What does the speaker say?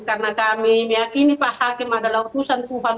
karena kami meyakini pak hakim adalah hukusan tuhan